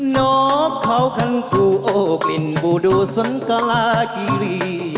นอกเขาขังกลูโอกลิ่นบูดูสันกลากิรี